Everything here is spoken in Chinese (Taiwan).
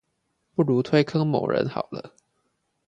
不如推坑某人好了